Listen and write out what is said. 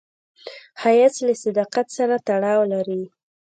ښایست له صداقت سره تړاو لري